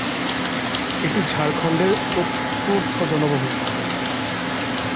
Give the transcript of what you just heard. এটি ঝাড়খন্ডের চতুর্থ জনবহুল শহর।